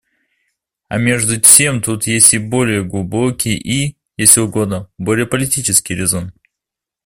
А между тем тут есть и более глубокий и, если угодно, более политический резон.